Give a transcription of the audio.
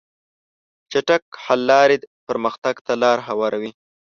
چټک حل لارې پرمختګ ته لار هواروي.